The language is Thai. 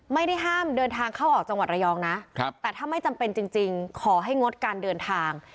ไม่ได้ห้ามเดินทางเข้าออกจังหวัดระยองนะแต่ถ้าไม่จำเป็นจริงขอให้งดการเดินทาง